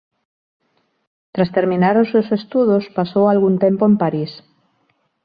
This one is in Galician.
Tras terminar os seus estudos pasou algún tempo en París.